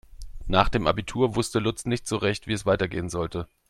Nach dem Abitur wusste Lutz nicht so recht, wie es weitergehen sollte.